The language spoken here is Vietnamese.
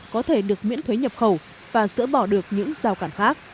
có thể được miễn thuế nhập khẩu và dỡ bỏ được những giao cản khác